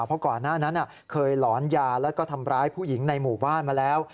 เพราะก่อนหน้านั้นเคยหลอนยาแล้วก็ทำร้ายผู้หญิงในหมู่บ้านมาแล้ว